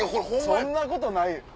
そんなことないよ。